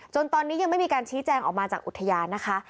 ตอนนี้ยังไม่มีการชี้แจงออกมาจากอุทยานนะคะ